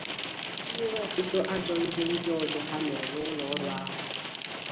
tinyere ọtụtụ ajọ ihe ndị ọzọ ha mere n'ụlọọrụ ahụ.